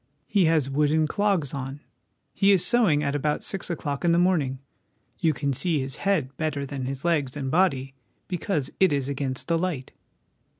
He has wooden clogs on. He is sowing at about six o'clock in the morning. You can see his head better than his legs and body, because it is against the light."